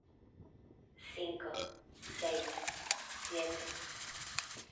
cinco, seis , siete